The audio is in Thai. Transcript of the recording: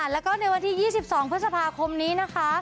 แล้วก็ในวันที่๒๒พฤษภาคมนี้นะคะ